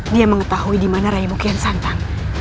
dia mengetahui dimana reikian santang